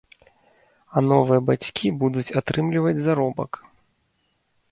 А новыя бацькі будуць атрымліваць заробак.